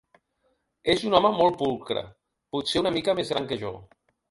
És un home molt pulcre, potser una mica més gran que jo.